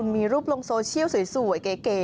มีรูปลงโซเชียลสวยเก๋